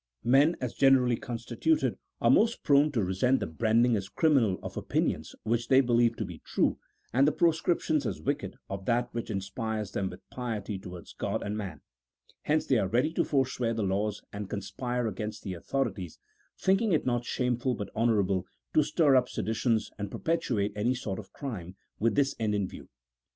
Men, as generally constituted, are most prone to resent the branding as criminal of opinions which they believe to be true, and the proscription as wicked of that which inspires them with piety towards G od and man; hence they are ready to forswear the laws and conspire against the autho rities, thinking it not shameful but honourable to stir up seditions and perpetuate any sort of crime with this end in view.